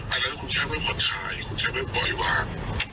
อันนั้นคุณแค่ไม่มาถ่ายคุณแค่ไม่ปล่อยวาง